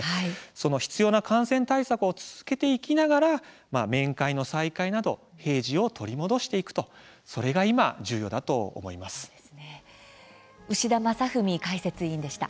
必要な感染対策を続けていきながら面会の再開など平時を取り戻していく牛田正史解説委員でした。